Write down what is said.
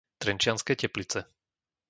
Trenčianske Teplice